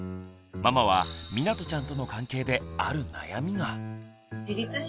ママはみなとちゃんとの関係である悩みが。